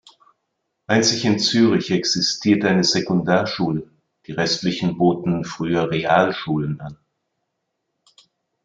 Einzig in Zürich existiert eine Sekundarschule, die restlichen boten früher Realschulen an.